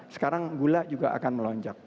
sekarang gula juga akan melonjak